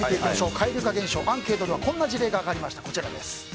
蛙化現象アンケートではこんな事例が上がりました。